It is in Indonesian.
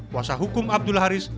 kuasa hukum abdul haris